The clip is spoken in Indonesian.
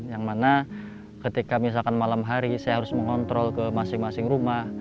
yang mana ketika misalkan malam hari saya harus mengontrol ke masing masing rumah